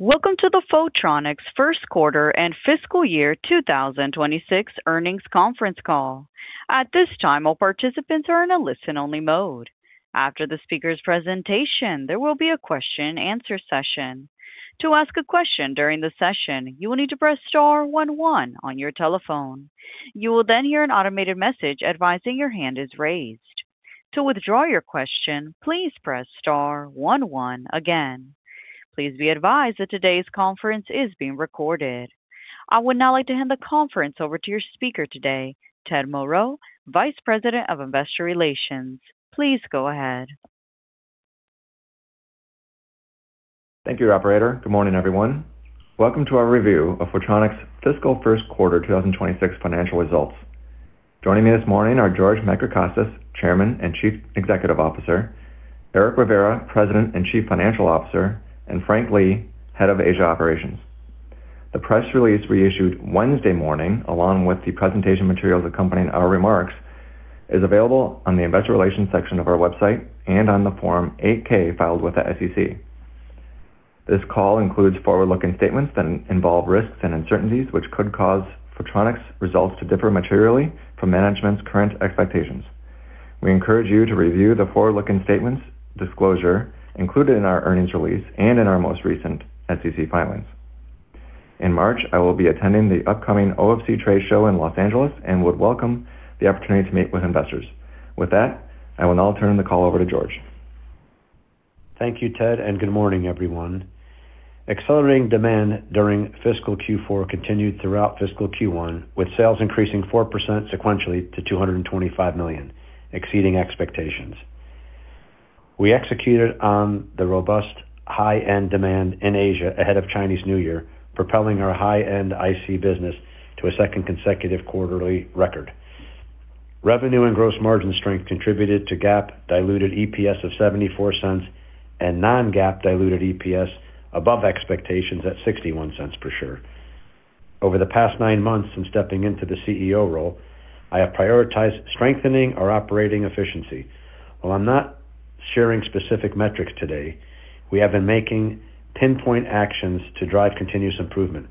Welcome to the Photronics' first quarter and fiscal year 2026 earnings conference call. At this time, all participants are in a listen-only mode. After the speaker's presentation, there will be a question-and-answer session. To ask a question during the session, you will need to press star one one on your telephone. You will then hear an automated message advising your hand is raised. To withdraw your question, please press star one one again. Please be advised that today's conference is being recorded. I would now like to hand the conference over to your speaker today, Ted Moreau, Vice President of Investor Relations. Please go ahead. Thank you, operator. Good morning, everyone. Welcome to our review of Photronics' fiscal first quarter 2026 financial results. Joining me this morning are George Macricostas, Chairman and Chief Executive Officer, Eric Rivera, President and Chief Financial Officer, and Frank Lee, Head of Asia Operations. The press release we issued Wednesday morning, along with the presentation materials accompanying our remarks, is available on the investor relations section of our website and on the Form 8-K filed with the SEC. This call includes forward-looking statements that involve risks and uncertainties, which could cause Photronics' results to differ materially from management's current expectations. We encourage you to review the forward-looking statements disclosure included in our earnings release and in our most recent SEC filings. In March, I will be attending the upcoming OFC Trade Show in Los Angeles and would welcome the opportunity to meet with investors. With that, I will now turn the call over to George. Thank you, Ted. Good morning, everyone. Accelerating demand during fiscal Q4 continued throughout fiscal Q1, with sales increasing 4% sequentially to $225 million, exceeding expectations. We executed on the robust high-end demand in Asia ahead of Chinese New Year, propelling our high-end IC business to a second consecutive quarterly record. Revenue and gross margin strength contributed to GAAP diluted EPS of $0.74 and non-GAAP diluted EPS above expectations at $0.61 per share. Over the past nine months, since stepping into the CEO role, I have prioritized strengthening our operating efficiency. While I'm not sharing specific metrics today, we have been making pinpoint actions to drive continuous improvement.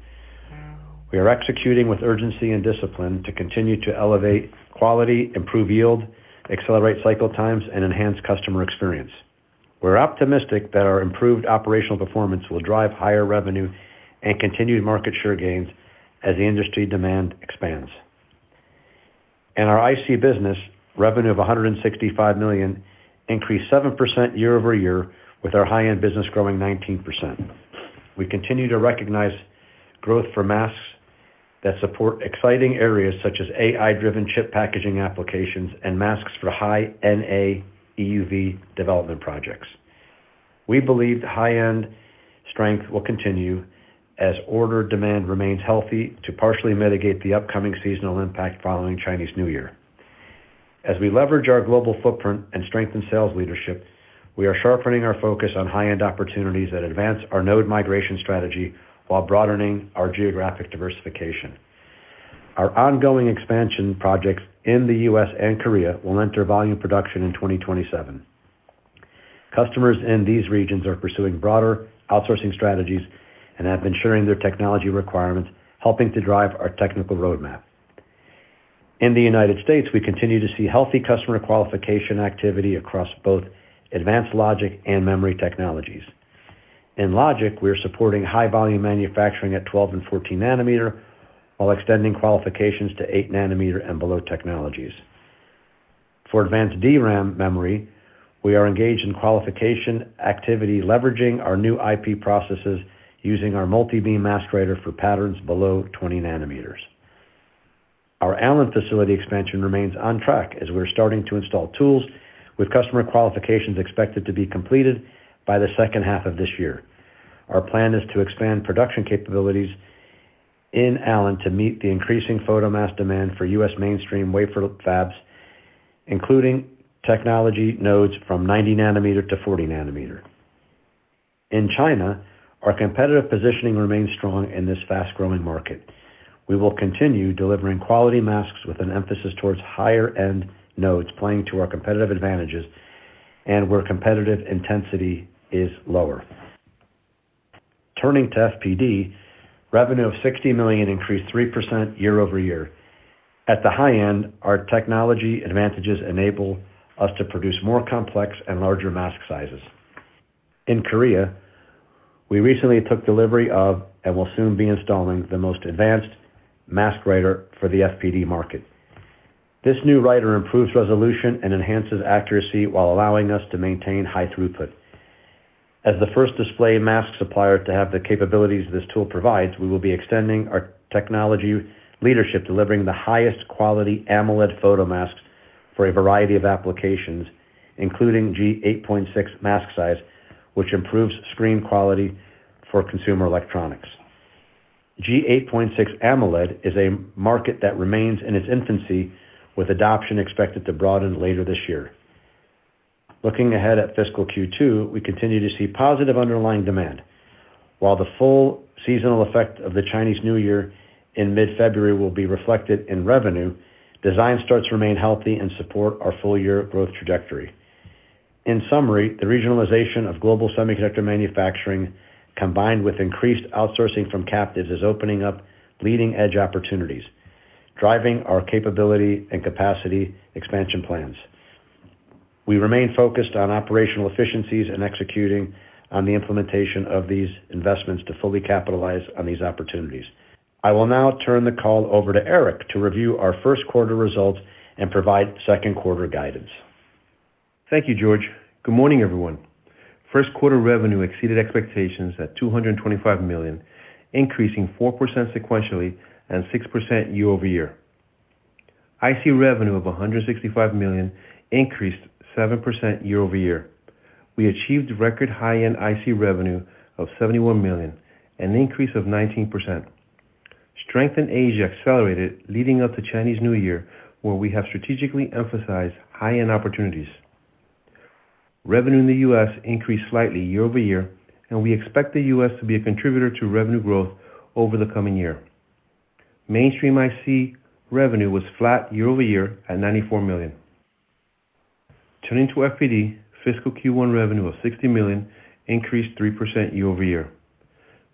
We are executing with urgency and discipline to continue to elevate quality, improve yield, accelerate cycle times, and enhance customer experience. We're optimistic that our improved operational performance will drive higher revenue and continued market share gains as the industry demand expands. In our IC business, revenue of $165 million increased 7% year-over-year, with our high-end business growing 19%. We continue to recognize growth for masks that support exciting areas such as AI-driven chip packaging applications and masks for High-NA EUV development projects. We believe the high-end strength will continue as order demand remains healthy to partially mitigate the upcoming seasonal impact following Chinese New Year. As we leverage our global footprint and strengthen sales leadership, we are sharpening our focus on high-end opportunities that advance our node migration strategy while broadening our geographic diversification. Our ongoing expansion projects in the U.S. and Korea will enter volume production in 2027. Customers in these regions are pursuing broader outsourcing strategies and have been sharing their technology requirements, helping to drive our technical roadmap. In the United States, we continue to see healthy customer qualification activity across both advanced logic and memory technologies. In logic, we are supporting high-volume manufacturing at 12 nm and 14 nm, while extending qualifications to 8 nm and below technologies. For advanced DRAM memory, we are engaged in qualification activity, leveraging our new IP processes using our multi-beam mask writer for patterns below 20 nm. Our Allen facility expansion remains on track as we're starting to install tools, with customer qualifications expected to be completed by the second half of this year. Our plan is to expand production capabilities in Allen to meet the increasing photomask demand for U.S. mainstream wafer fabs, including technology nodes from 90 nm-40 nm. In China, our competitive positioning remains strong in this fast-growing market. We will continue delivering quality masks with an emphasis towards higher-end nodes, playing to our competitive advantages and where competitive intensity is lower. Turning to FPD, revenue of $60 million increased 3% year-over-year. At the high end, our technology advantages enable us to produce more complex and larger mask sizes. In Korea, we recently took delivery of and will soon be installing the most advanced mask writer for the FPD market. This new writer improves resolution and enhances accuracy while allowing us to maintain high throughput. As the first display mask supplier to have the capabilities this tool provides, we will be extending our technology leadership, delivering the highest quality AMOLED photomasks for a variety of applications, including G8.6 mask size, which improves screen quality for consumer electronics. G8.6 AMOLED is a market that remains in its infancy, with adoption expected to broaden later this year. Looking ahead at fiscal Q2, we continue to see positive underlying demand. While the full seasonal effect of the Chinese New Year in mid-February will be reflected in revenue, design starts remain healthy and support our full year growth trajectory. In summary, the regionalization of global semiconductor manufacturing, combined with increased outsourcing from captives, is opening up leading-edge opportunities, driving our capability and capacity expansion plans. We remain focused on operational efficiencies and executing on the implementation of these investments to fully capitalize on these opportunities. I will now turn the call over to Eric to review our first quarter results and provide second quarter guidance. Thank you, George. Good morning, everyone. First quarter revenue exceeded expectations at $225 million, increasing 4% sequentially and 6% year-over-year. IC revenue of $165 million increased 7% year-over-year. We achieved record high-end IC revenue of $71 million, an increase of 19%. Strength in Asia accelerated, leading up to Chinese New Year, where we have strategically emphasized high-end opportunities. Revenue in the U.S. increased slightly year-over-year. We expect the U.S. to be a contributor to revenue growth over the coming year. Mainstream IC revenue was flat year-over-year at $94 million. Turning to FPD, fiscal Q1 revenue of $60 million increased 3% year-over-year.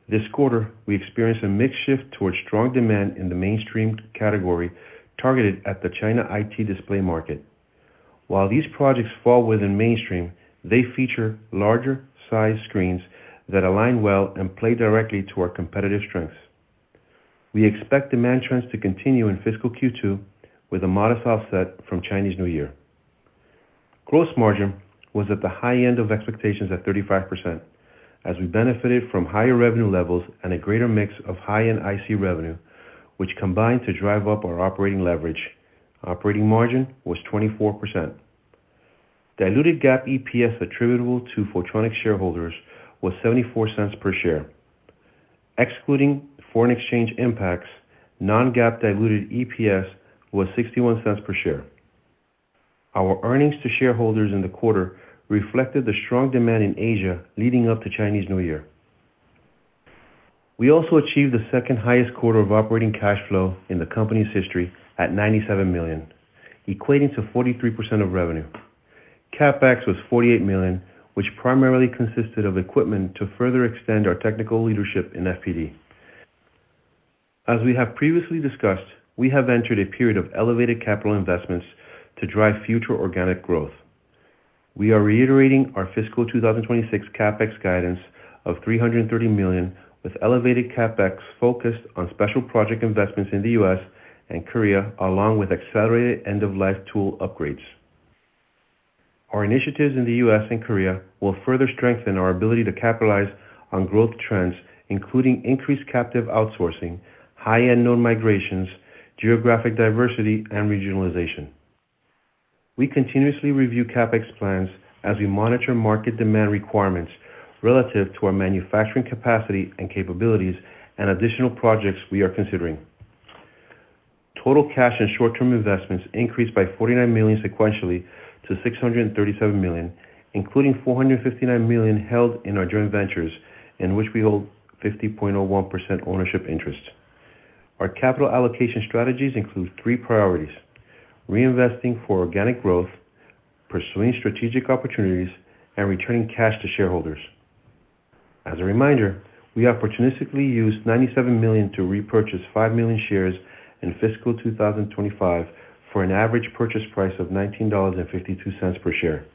This quarter, we experienced a mixed shift towards strong demand in the mainstream category, targeted at the China IT display market. While these projects fall within mainstream, they feature larger sized screens that align well and play directly to our competitive strengths. We expect demand trends to continue in fiscal Q2 with a modest offset from Chinese New Year. Gross margin was at the high end of expectations at 35%, as we benefited from higher revenue levels and a greater mix of high-end IC revenue, which combined to drive up our operating leverage. Operating margin was 24%. Diluted GAAP EPS attributable to Photronics shareholders was $0.74 per share. Excluding foreign exchange impacts, non-GAAP diluted EPS was $0.61 per share. Our earnings to shareholders in the quarter reflected the strong demand in Asia leading up to Chinese New Year. We also achieved the second highest quarter of operating cash flow in the company's history at $97 million, equating to 43% of revenue. CapEx was $48 million, which primarily consisted of equipment to further extend our technical leadership in FPD. As we have previously discussed, we have entered a period of elevated capital investments to drive future organic growth. We are reiterating our fiscal 2026 CapEx guidance of $330 million, with elevated CapEx focused on special project investments in the U.S. and Korea, along with accelerated end-of-life tool upgrades. Our initiatives in the U.S. and Korea will further strengthen our ability to capitalize on growth trends, including increased captive outsourcing, high-end known migrations, geographic diversity, and regionalization. We continuously review CapEx plans as we monitor market demand requirements relative to our manufacturing capacity and capabilities and additional projects we are considering. Total cash and short-term investments increased by $49 million sequentially to $637 million, including $459 million held in our joint ventures, in which we hold 50.01% ownership interest. Our capital allocation strategies include three priorities: reinvesting for organic growth, pursuing strategic opportunities, and returning cash to shareholders. As a reminder, we opportunistically used $97 million to repurchase 5 million shares in fiscal 2025 for an average purchase price of $19.52 per share.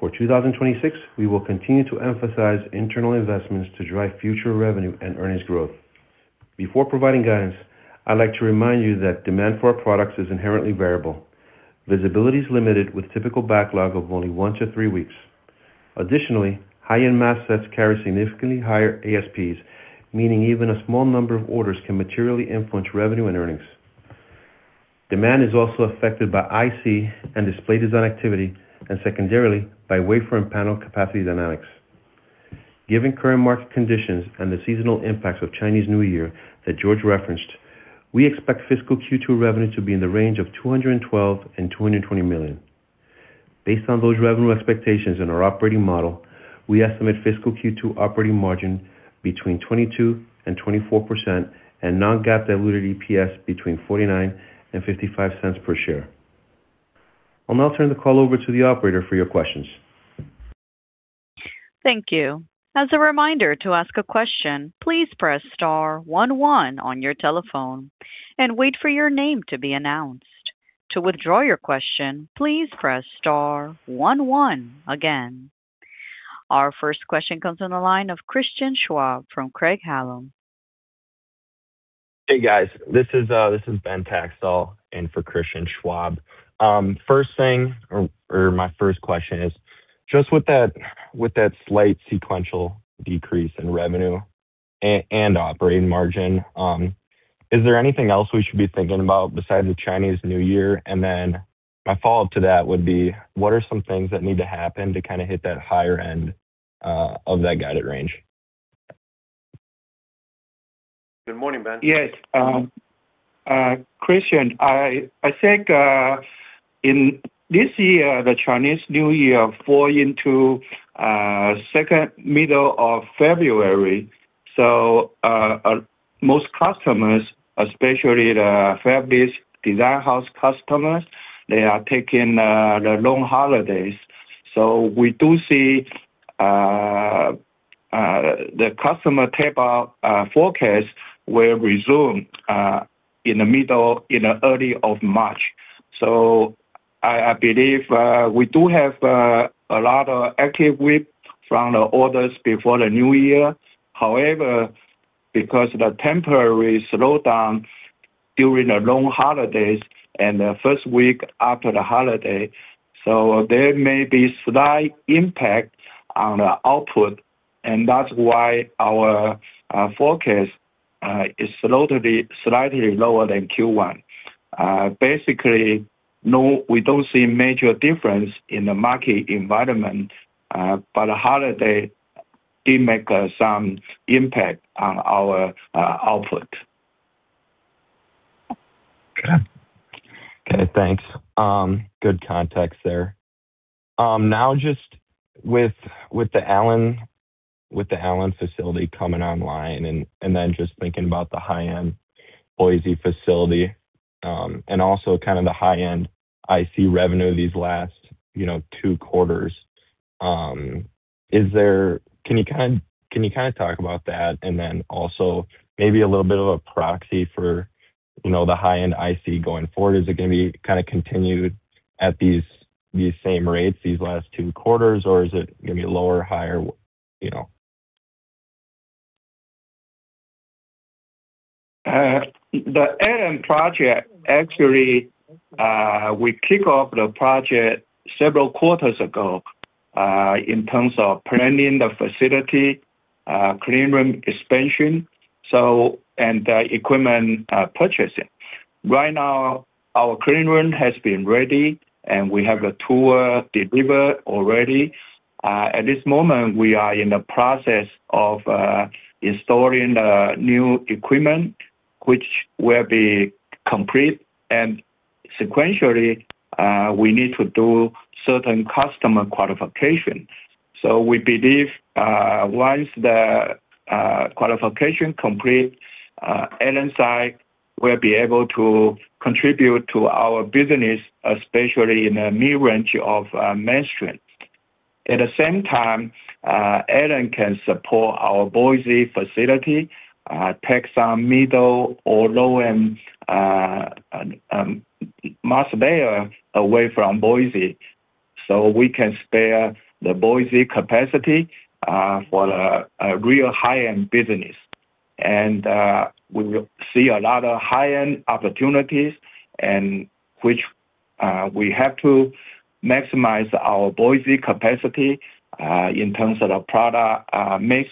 For 2026, we will continue to emphasize internal investments to drive future revenue and earnings growth. Before providing guidance, I'd like to remind you that demand for our products is inherently variable. Visibility is limited, with typical backlog of only one to three weeks. Additionally, high-end mass sets carry significantly higher ASPs, meaning even a small number of orders can materially influence revenue and earnings. Demand is also affected by IC and display design activity and secondarily, by wafer and panel capacity dynamics. Given current market conditions and the seasonal impacts of Chinese New Year that George referenced, we expect fiscal Q2 revenue to be in the range of $212 million-$220 million. Based on those revenue expectations and our operating model, we estimate fiscal Q2 operating margin between 22%-24% and non-GAAP diluted EPS between $0.49-$0.55 per share. I'll now turn the call over to the operator for your questions. Thank you. As a reminder, to ask a question, please press star one one on your telephone and wait for your name to be announced. To withdraw your question, please press star one one again. Our first question comes on the line of Christian Schwab from Craig-Hallum. Hey, guys. This is, this is Ben Taxdahl in for Christian Schwab. First thing or my first question is, just with that, with that slight sequential decrease in revenue and operating margin, is there anything else we should be thinking about besides the Chinese New Year? My follow-up to that would be: What are some things that need to happen to kind of hit that higher end of that guided range? Good morning, Ben. Yes, Ben, I think in this year, the Chinese New Year fall into second middle of February. Most customers, especially the fab-based design house customers, they are taking the long holidays. We do see the customer tape-out forecast will resume in the middle, in the early of March. I believe we do have a lot of active WIP from the orders before the new year. However, because of the temporary slowdown during the long holidays and the first week after the holiday, so there may be slight impact on the output, and that's why our forecast is slightly lower than Q1. Basically, no, we don't see major difference in the market environment, but the holiday did make some impact on our output. Okay, thanks. Good context there. Now just with the Allen facility coming online and then just thinking about the high-end Boise facility, and also kind of the high-end IC revenue these last, you know, two quarters. Can you kind of talk about that? Also maybe a little bit of a proxy for, you know, the high-end IC going forward. Is it gonna be kind of continued at these same rates these last two quarters, or is it gonna be lower, higher, you know? The Allen project, actually, we kick off the project several quarters ago, in terms of planning the facility, clean room expansion, and the equipment purchasing. Right now, our clean room has been ready, and we have a tour delivered already. At this moment, we are in the process of installing the new equipment, which will be complete, and sequentially, we need to do certain customer qualification. We believe, once the qualification complete, Allen site will be able to contribute to our business, especially in the mid-range of mainstream. At the same time, Allen can support our Boise facility, take some middle or low-end mask layer away from Boise, so we can spare the Boise capacity for the real high-end business. We will see a lot of high-end opportunities and which we have to maximize our Boise capacity in terms of the product mix.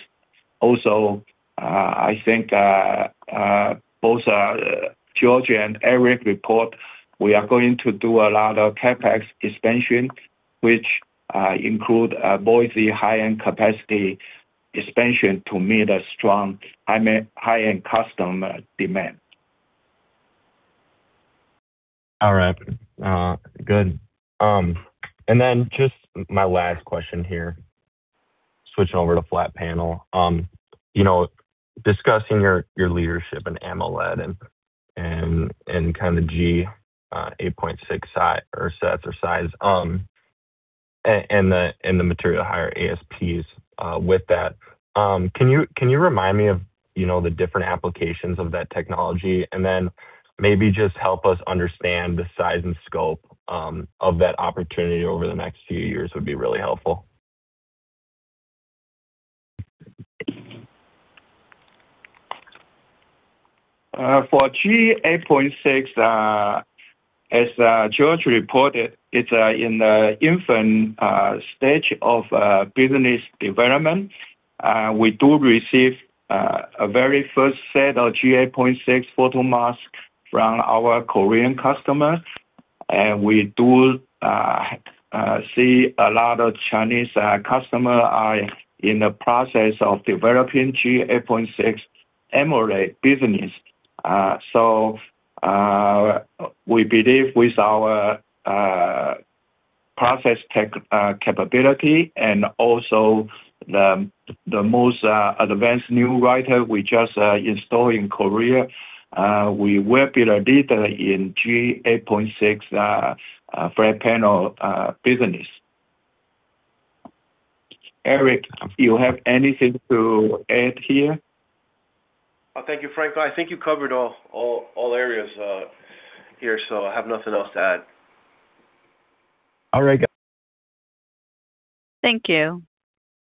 Also, I think both George and Eric report, we are going to do a lot of CapEx expansion, which include Boise high-end capacity expansion to meet a strong high-end customer demand. All right. Good. Just my last question here, switching over to flat panel. You know, discussing your leadership in AMOLED and kind of G8.6 size, and the material higher ASPs, with that. Can you remind me of, you know, the different applications of that technology, and then maybe just help us understand the size and scope of that opportunity over the next few years would be really helpful. For G8.6, as George reported, it's in the infant stage of business development. We do receive a very first set of G8.6 photomask from our Korean customers, and we do see a lot of Chinese customer are in the process of developing G8.6 AMOLED business. We believe with our process tech capability and also the most advanced new writer we just installed in Korea, we will be the leader in G8.6 flat panel business. Eric, you have anything to add here? Thank you, Frank. I think you covered all areas here. I have nothing else to add. All right, guys. Thank you.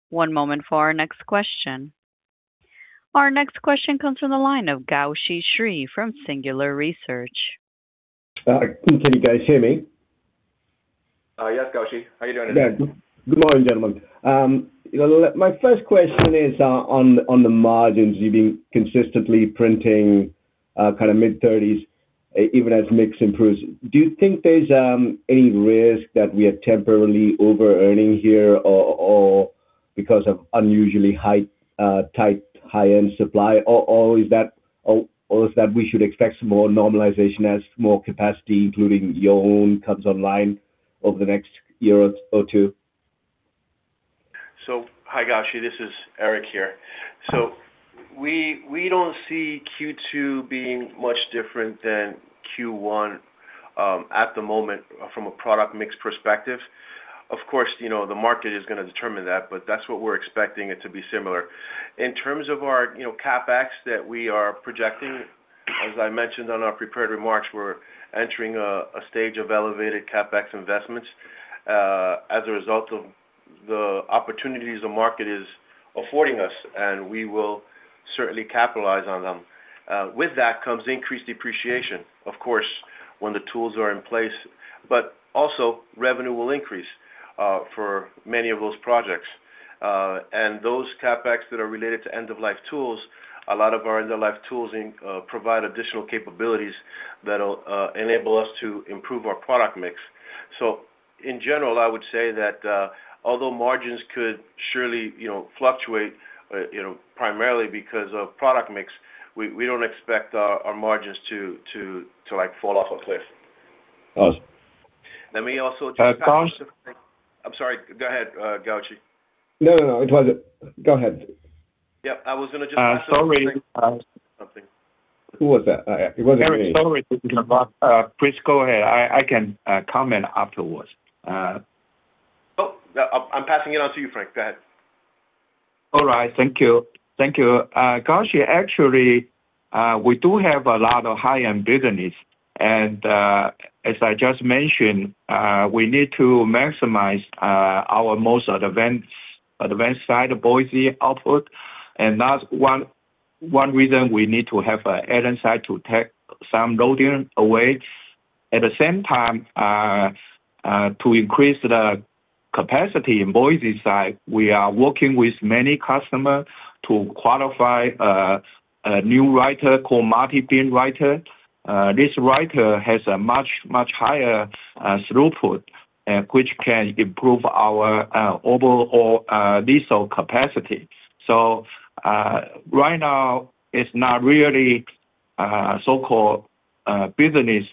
One moment for our next question. Our next question comes from the line of Gowshihan Sriharan from Singular Research. Can you guys hear me? Yes, Gowshi. How are you doing today? Good morning, gentlemen. You know, my first question is on the margins. You've been consistently printing kind of mid-30s, even as mix improves. Do you think there's any risk that we are temporarily overearning here or because of unusually high, tight, high-end supply? Or is that we should expect some more normalization as more capacity, including your own, comes online over the next year or two? Hi, Gowshi, this is Eric here. We don't see Q2 being much different than Q1 at the moment from a product mix perspective. Of course, you know, the market is gonna determine that, but that's what we're expecting it to be similar. In terms of our, you know, CapEx that we are projecting, as I mentioned on our prepared remarks, we're entering a stage of elevated CapEx investments as a result of the opportunities the market is affording us, and we will certainly capitalize on them. With that comes increased depreciation. Of course, when the tools are in place, but also revenue will increase for many of those projects. Those CapEx that are related to end-of-life tools, a lot of our end-of-life tools provide additional capabilities that'll enable us to improve our product mix. In general, I would say that, although margins could surely, you know, fluctuate, you know, primarily because of product mix, we don't expect our margins to, like, fall off a cliff. Awesome. Let me also-I'm sorry. Go ahead, Gowshi. No, no. Go ahead. Yep. I was gonna. Sorry, something. Who was that? It wasn't me. Sorry, this is Frank. Please go ahead. I can comment afterwards. I'm passing it on to you, Frank. Go ahead. All right. Thank you. Thank you. Gowshi, actually, we do have a lot of high-end business, and as I just mentioned, we need to maximize our most advanced side of Boise output, and that's one reason we need to have a add inside to take some loading away. At the same time, to increase the capacity in Boise side, we are working with many customer to qualify a new writer called multi-beam mask writer. This writer has a much higher throughput, which can improve our overall design capacity. Right now, it's not really so-called business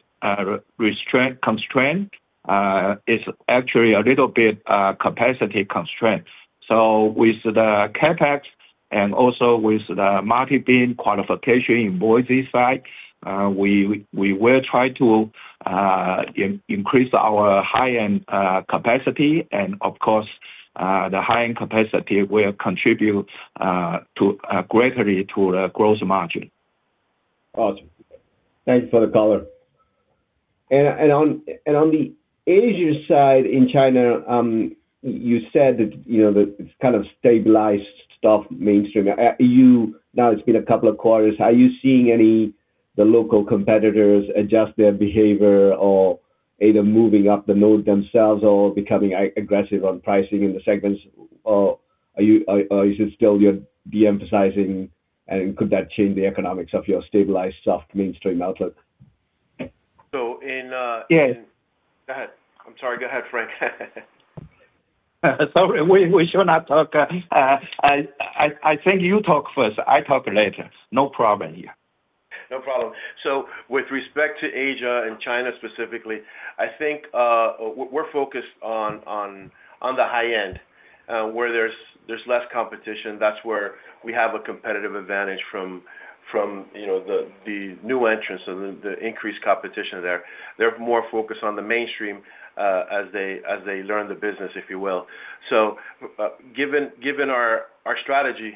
constraint. It's actually a little bit capacity constraint. With the CapEx and also with the multi-beam qualification in Boise side, we will try to increase our high-end capacity, and of course, the high-end capacity will contribute greatly to the gross margin. Awesome. Thanks for the color. On the Asia side, in China, you said that, you know, that it's kind of stabilized, stuff, mainstream. Now, it's been a couple of quarters, are you seeing any, the local competitors adjust their behavior or either moving up the node themselves or becoming aggressive on pricing in the segments? Or are you, or is it still you're de-emphasizing, and could that change the economics of your stabilized soft mainstream outlet? In. Yes. Go ahead. I'm sorry. Go ahead, Frank. Sorry, we should not talk. I think you talk first. I talk later. No problem here. No problem. With respect to Asia and China specifically, I think, we're focused on the high end, where there's less competition. That's where we have a competitive advantage from, you know, the new entrants and the increased competition there. They're more focused on the mainstream, as they learn the business, if you will. Given our strategy,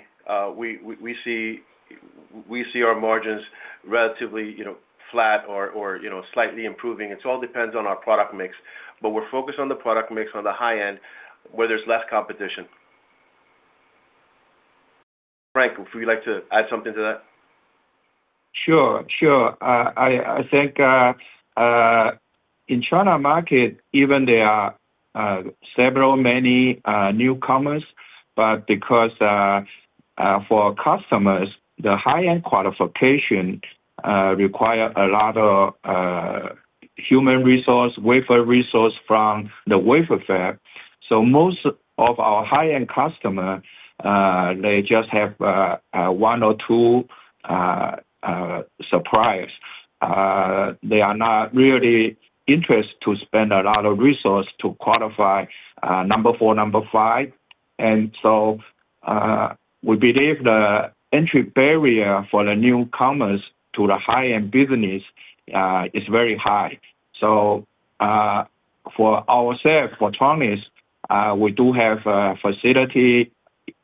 we see our margins relatively, you know, flat or, you know, slightly improving. It all depends on our product mix, but we're focused on the product mix on the high end, where there's less competition. Frank, would you like to add something to that? Sure, I think in China market, even there are several, many newcomers, but because for customers, the high-end qualification require a lot of human resource, wafer resource from the wafer fab. Most of our high-end customer, they just have a one or two suppliers. They are not really interested to spend a lot of resource to qualify number four, number five. We believe the entry barrier for the newcomers to the high-end business is very high. For ourselves, for Photronics, we do have a facility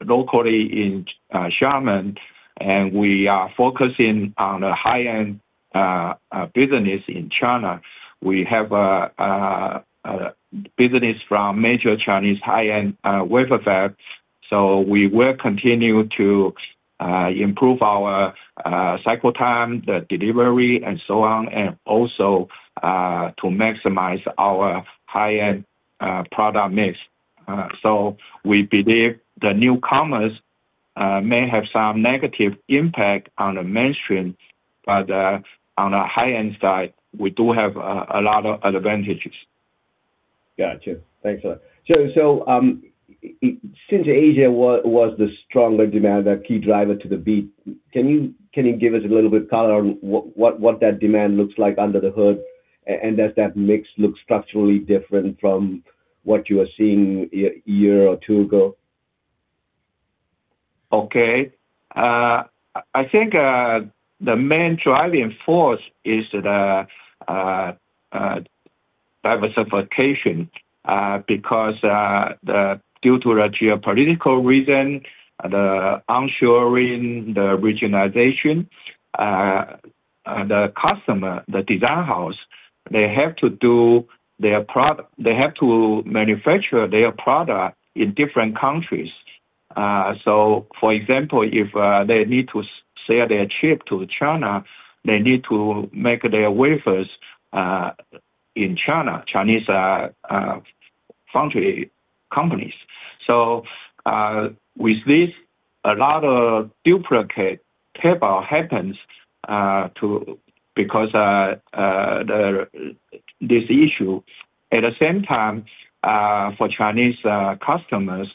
locally in Xiamen, and we are focusing on the high-end business in China. We have a business from major Chinese high-end wafer fab. We will continue to improve our cycle time, the delivery, and so on, and also to maximize our high-end product mix. We believe the newcomers may have some negative impact on the mainstream, but on the high-end side, we do have a lot of advantages. Got you. Thanks a lot. Since Asia was the stronger demand, the key driver to the beat, can you give us a little bit color on what that demand looks like under the hood? Does that mix look structurally different from what you were seeing a year or two ago? Okay. I think the main driving force is the diversification, because due to the geopolitical reason, the onshoring, the regionalization, the customer, the design house, they have to manufacture their product in different countries. For example, if they need to sell their chip to China, they need to make their wafers in China, Chinese foundry companies. With this, a lot of duplicate tape out happens to because this issue. At the same time, for Chinese customers,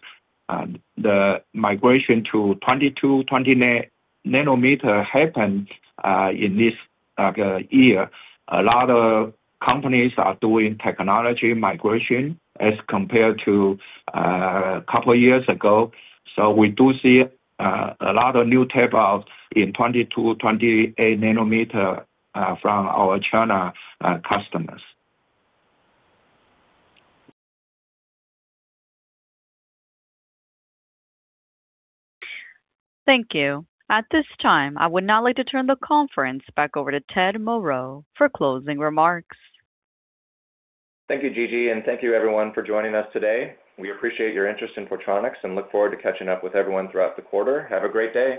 the migration to 22 nm-20 nm happened in this year. A lot of companies are doing technology migration as compared to a couple of years ago. We do see a lot of new tape-outs in 22 nm-28 nm from our China customers. Thank you. At this time, I would now like to turn the conference back over to Ted Moreau for closing remarks. Thank you, Gigi, and thank you everyone for joining us today. We appreciate your interest in Photronics and look forward to catching up with everyone throughout the quarter. Have a great day!